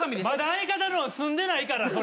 まだ相方のが済んでないから。